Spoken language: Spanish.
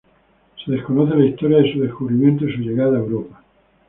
Se desconoce la historia de su descubrimiento y su llegada a Europa.